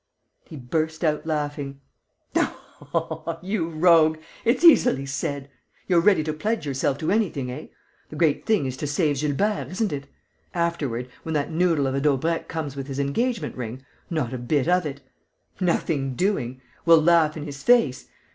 He burst out laughing: "Oh, you rogue, it's easily said!... You're ready to pledge yourself to anything, eh? The great thing is to save Gilbert, isn't it? Afterward, when that noodle of a Daubrecq comes with his engagement ring, not a bit of it! Nothing doing! We'll laugh in his face!...